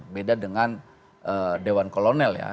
beda dengan dewan kolonel ya